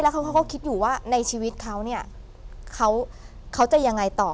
เขาก็คิดอยู่ว่าในชีวิตเขาเนี่ยเขาจะยังไงต่อ